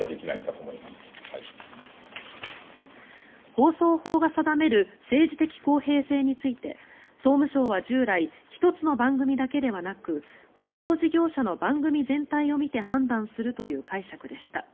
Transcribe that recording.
放送法が定める政治的公平性について総務省は従来１つの番組だけではなく放送事業者の番組全体を見て判断するという解釈でした。